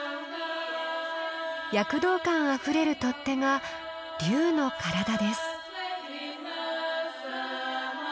躍動感あふれる取っ手が竜の身体です。